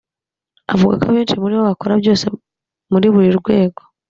Avuga ko abenshi muri bo bakora byose muri buri rwego